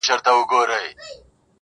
بس ژونده همدغه دی، خو عیاسي وکړه